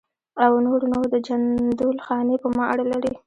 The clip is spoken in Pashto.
او نور نو د جندول خاني په ما اړه لري.